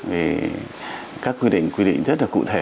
vì các quy định rất là cụ thể